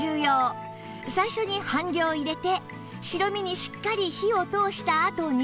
最初に半量入れて白身にしっかり火を通したあとに